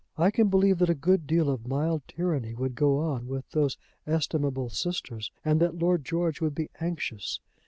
I can believe that a good deal of mild tyranny would go on with those estimable sisters, and that Lord George would be anxious.